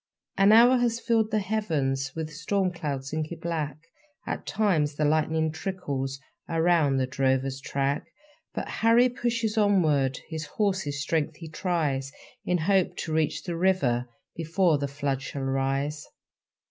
An hour has filled the heavens With storm clouds inky black; At times the lightning trickles Around the drover's track; But Harry pushes onward, His horses' strength he tries, In hope to reach the river Before the flood shall rise.